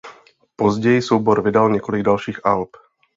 Později soubor vydal několik dalších alb.